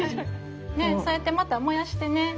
そうやってまた燃やしてね